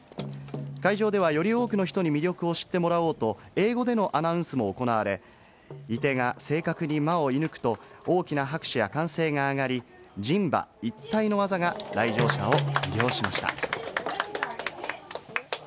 会場ではより多くの人に魅力を知ってもらおうと英語でのアナウンスも行われ、射手が正確に追い抜くと大きな拍手や歓声が上がり、人馬一体の技が来場者を魅了しました。